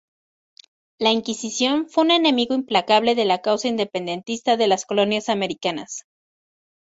La Inquisición fue un enemigo implacable de la causa independentista de las colonias americanas.